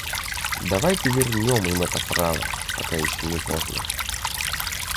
Давайте вернем им это право, пока еще не поздно!